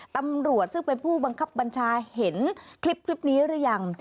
ตำรวจซึ่งเป็นผู้บังคับบัญชาเห็นคลิปนี้หรือยัง